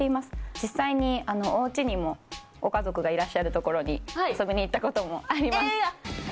実際におうちにもご家族がいらっしゃるところに遊びに行ったことええっ！